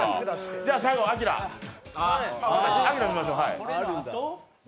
じゃあ最後、明見ましょう。